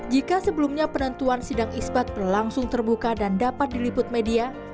jika sebelumnya penentuan sidang isbat berlangsung terbuka dan dapat diliput media